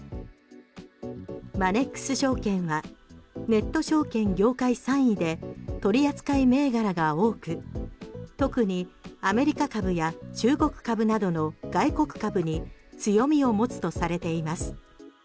マネックス証券はネット証券業界３位で取り扱い銘柄が多く特にアメリカ株や中国株などの外国株に強みを持つとされています。